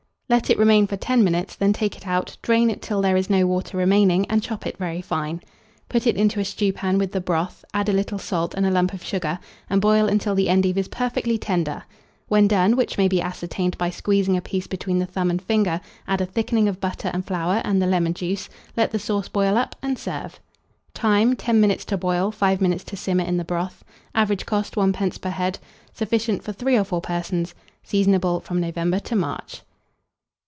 Let it remain for 10 minutes; then take it out, drain it till there is no water remaining, and chop it very fine. Put it into a stewpan with the broth; add a little salt and a lump of sugar, and boil until the endive is perfectly tender. When done, which may be ascertained by squeezing a piece between the thumb and finger, add a thickening of butter and flour and the lemon juice: let the sauce boil up, and serve. Time. 10 minutes to boil, 5 minutes to simmer in the broth. Average cost, 1d. per head. Sufficient for 3 or 4 persons. Seasonable from November to March.